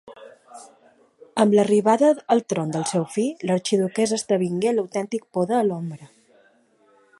Amb l'arribada al tron del seu fill, l'arxiduquessa esdevingué l'autèntic poder a l'ombra.